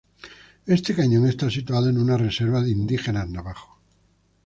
Este cañón está situado en una reserva de indígenas navajos.